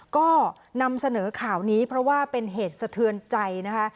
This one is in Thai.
ก็นำเสนอข่าวนี้เพราะว่าเป็นเหตุสะเทือนใจนะคะ